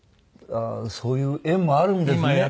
そういう縁もあるんですね。